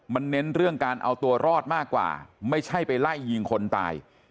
มันเน้นเรื่องการเอาตัวรอดมากกว่าไม่ใช่ไปไล่ยิงคนตาย